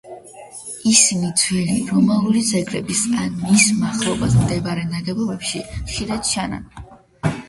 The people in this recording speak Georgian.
ისინი ძველი რომაული ძეგლების ან მის მახლობლად მდებარე ნაგებობებში ხშირად ჩანან.